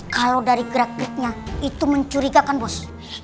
kalau dari gerak geraknya itu mencurigakan bos